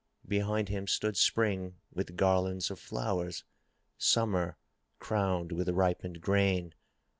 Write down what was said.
Behind him stood Spring with garlands of flowers. Summer crowned with ripened grain.